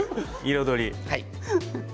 彩り。